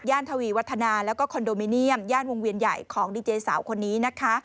ทวีวัฒนาแล้วก็คอนโดมิเนียมย่านวงเวียนใหญ่ของดีเจสาวคนนี้นะคะ